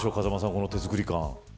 この手作り感。